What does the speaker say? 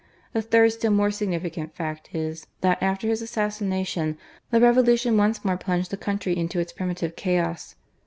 A third still more significant fact is, that after his assassination, the Revolution once more plunged the country into its primitive chaos.